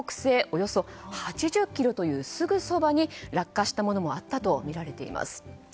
およそ８０ｋｍというすぐそばに落下したものもあったとみられています。